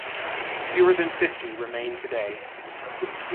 Fewer than fifty remain today.